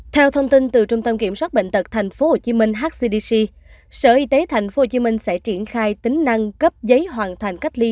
theo thông tin từ trung tâm kiểm soát bệnh tật tp hcm hcdc sở y tế tp hcm sẽ triển khai tính năng cấp giấy hoàn thành cách ly